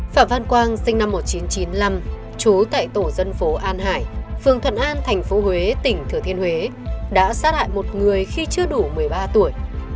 phạm văn quang sinh năm một nghìn chín trăm chín mươi năm trú tại tổ dân phố an hải phường thuận an tp huế tỉnh thừa thiên huế đã sát hại một người khi chưa đủ một mươi ba tuổi